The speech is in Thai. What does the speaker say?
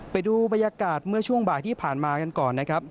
ไปดูบรรยากาศเมื่อช่วงบ่ายที่ผ่านมากันก่อนนะครับ